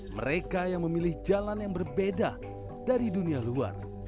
mereka yang memilih jalan yang berbeda dari dunia luar